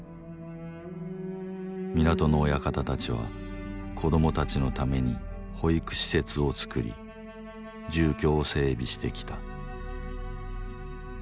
港の親方たちは子どもたちのために保育施設をつくり住居を整備してきた。